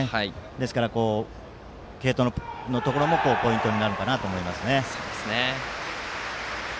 ですから、継投のところもポイントになるかと思います。